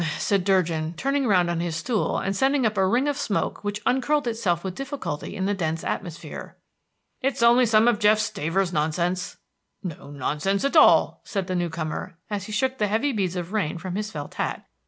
asked Durgin, turning round on his stool and sending up a ring of smoke which uncurled itself with difficulty in the dense atmosphere. "It's only some of Jeff Stavers's nonsense." "No nonsense at all," said the new comer, as he shook the heavy beads of rain from his felt hat.